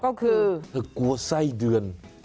ก็คือเธอกลัวไส้เดือน